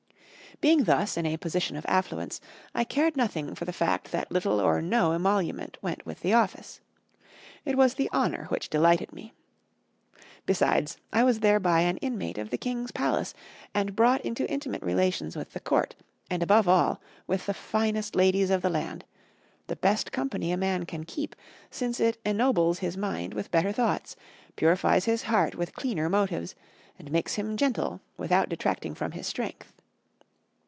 Being thus in a position of affluence, I cared nothing for the fact that little or no emolument went with the office; it was the honor which delighted me. Besides, I was thereby an inmate of the king's palace, and brought into intimate relations with the court, and above all, with the finest ladies of the land the best company a man can keep, since it ennobles his mind with better thoughts, purifies his heart with cleaner motives, and makes him gentle without detracting from his strength.